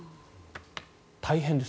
大変です。